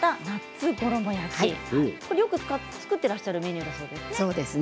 よく作っていらっしゃるメニューなんですよね。